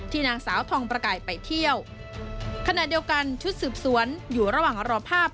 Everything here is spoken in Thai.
นางสาวทองประกายไปเที่ยวขณะเดียวกันชุดสืบสวนอยู่ระหว่างรอภาพ